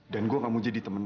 dan gue gak mau jadi temen lo